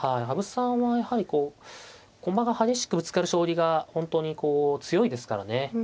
羽生さんはやはりこう駒が激しくぶつかる将棋が本当にこう強いですからね。